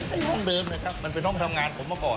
ห้องเดิมนะครับมันเป็นห้องทำงานผมมาก่อน